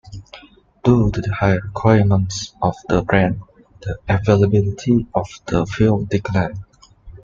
Due to the high requirements of the brand, the availability of the fuel declined.